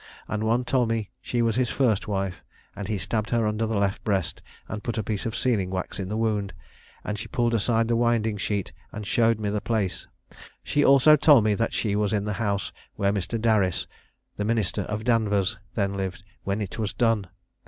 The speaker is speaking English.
And one told me she was his first wife, and he stabbed her under the left breast, and put a piece of sealing wax in the wound; and she pulled aside the winding sheet and showed me the place: she also told me that she was in the house where Mr. Daris, the minister of Danvers, then lived when it was done.